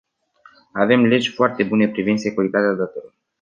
Avem legi foarte bune privind securitatea datelor.